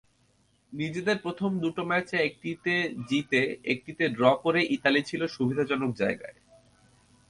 নিজেদের প্রথম দুটো ম্যাচে একটিতে জিতে, একটিতে ড্র করে ইতালি ছিল সুবিধাজনক জায়গায়।